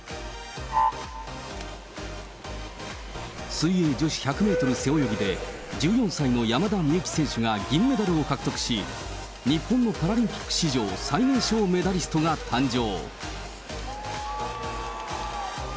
水泳女子１００メートル背泳ぎで、１４歳の山田美幸選手が銀メダルを獲得し、日本のパラリンピック史上最年少メダリストが誕生。